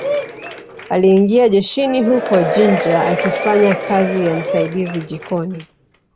Aliingia jeshini huko Jinja akifanya kazi ya msaidizi jikoni